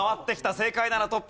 正解ならトップ。